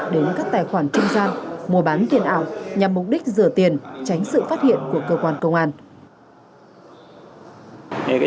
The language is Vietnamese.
đến các tài khoản trung gian mùa bán tiền ảo nhằm mục đích rửa tiền tránh sự phát hiện của cơ quan công an